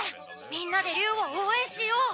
みんなで竜を応援しよう。